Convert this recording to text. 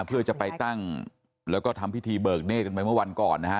เพื่อจะไปตั้งแล้วก็ทำพิธีเบิกเนธกันไปเมื่อวันก่อนนะฮะ